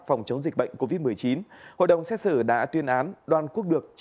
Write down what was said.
phòng chống dịch bệnh covid một mươi chín hội đồng xét xử đã tuyên án đoàn quốc được